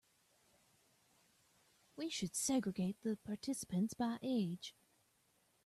We should segregate the participants by age.